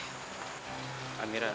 tunggu ibu aku sebentar ya